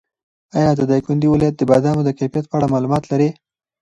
ایا د دایکنډي ولایت د بادامو د کیفیت په اړه معلومات لرې؟